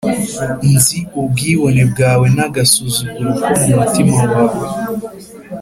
Nzi ubwibone bwawe n’agasuzuguro ko mu mutima wawe